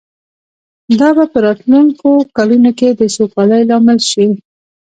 دا به په راتلونکو کلونو کې د سوکالۍ لامل شي